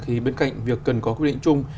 thì bên cạnh việc cần có quy định chung